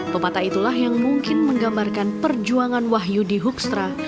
pepatah itulah yang mungkin menggambarkan perjuangan wahyudi hoekstra